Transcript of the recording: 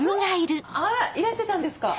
あらいらしてたんですか。